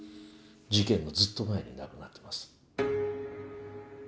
事件のずっと前に亡くなってます。